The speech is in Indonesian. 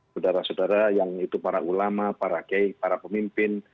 saudara saudara yang itu para ulama para kiai para pemimpin